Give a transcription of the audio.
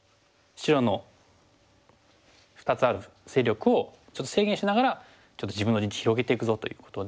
白の２つある勢力をちょっと制限しながらちょっと自分の陣地広げていくぞということで。